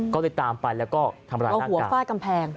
ก็ไปตามไปแล้วก็ทำลายหน้ากาก